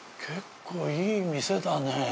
結構いい店だね。